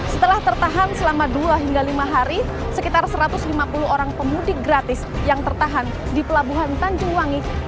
setelah tertahan selama dua hingga lima hari sekitar satu ratus lima puluh orang pemudik gratis yang tertahan di pelabuhan tanjung wangi